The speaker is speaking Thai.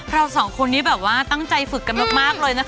เราสองคนนี้แบบว่าตั้งใจฝึกกันมากเลยนะคะ